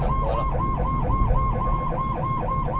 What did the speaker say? มร้อมรถบ้านเราเยอะ